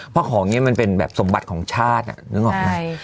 เพราะของนี้มันเป็นแบบสมบัติของชาตินึกออกไหม